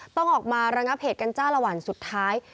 ต้องออกมาระงับเหตุกันจ้าละวันสุดท้าย